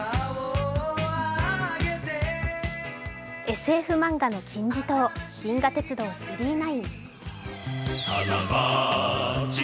ＳＦ漫画の金字塔「銀河鉄道９９９」。